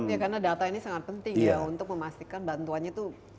ya karena data ini sangat penting ya untuk memastikan bantuannya itu